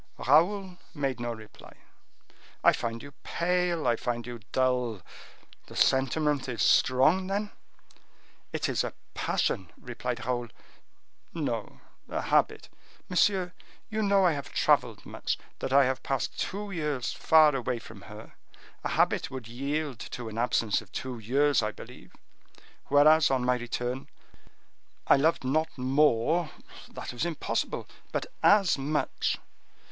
Raoul made no reply. "I find you pale; I find you dull. The sentiment is strong, then?" "It is a passion," replied Raoul. "No—a habit." "Monsieur, you know I have traveled much, that I have passed two years far away from her. A habit would yield to an absence of two years, I believe; whereas, on my return, I loved not more, that was impossible, but as much.